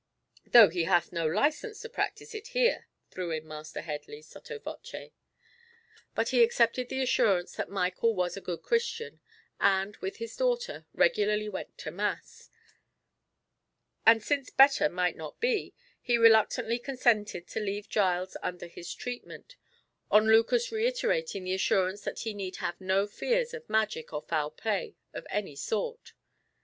"Though he hath no license to practise it here," threw in Master Headley, sotto voce; but he accepted the assurance that Michael was a good Christian, and, with his daughter, regularly went to mass; and since better might not be, he reluctantly consented to leave Giles under his treatment, on Lucas reiterating the assurance that he need have no fears of magic or foul play of any sort.